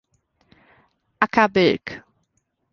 Acker Bilk.